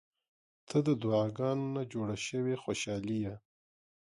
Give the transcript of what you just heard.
• ته د دعاګانو نه جوړه شوې خوشالي یې.